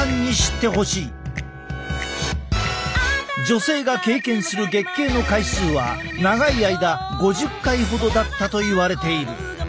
女性が経験する月経の回数は長い間５０回ほどだったといわれている。